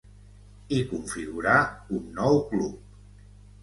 I configurar un nou club.